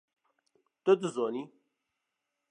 Tu dizanî!